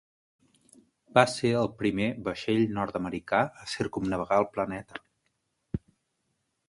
Va ser el primer vaixell nord-americà a circumnavegar el planeta.